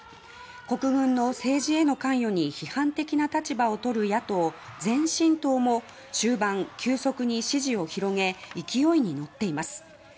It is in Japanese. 国軍の政治への関与に批判的な立場をとる野党、前進党も中盤急速に支持を広げ勢いに乗っています。